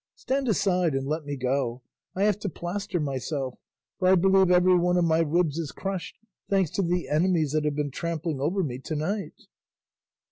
Stand aside and let me go; I have to plaster myself, for I believe every one of my ribs is crushed, thanks to the enemies that have been trampling over me to night."